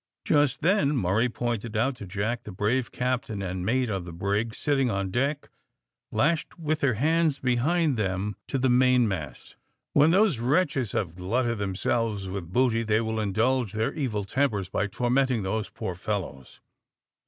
Just then Murray pointed out to Jack the brave captain and mate of the brig sitting on deck, lashed with their hands behind them to the mainmast. "When those wretches have glutted themselves with booty, they will indulge their evil tempers by tormenting those poor fellows.